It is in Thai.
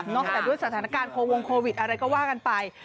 แต่ด้วยสถานการณ์โควงโควิดอะไรก็ว่ากันไป